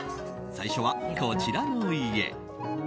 最初は、こちらの家。